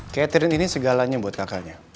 catherine ini segalanya buat kakaknya